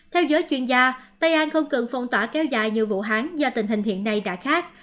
theo giới chuyên gia tây an không cần phong tỏa kéo dài nhiều vụ hán do tình hình hiện nay đã khác